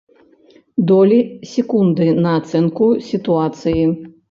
Долі секунды на ацэнку сітуацыі.